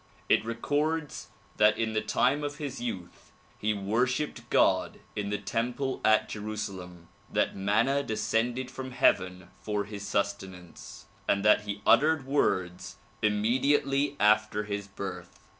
It records that in the time of his youth he worshipped God in the temple at Jerusalem; that manna descended from heaven for his sustenance and that he uttered words immediately after his birth.